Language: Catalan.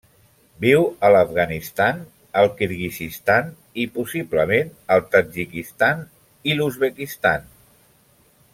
Viu a l'Afganistan, el Kirguizistan i, possiblement, el Tadjikistan i l'Uzbekistan.